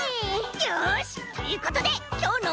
よしということできょうのおだいはこれ！